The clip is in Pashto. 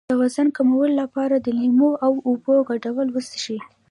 د وزن کمولو لپاره د لیمو او اوبو ګډول وڅښئ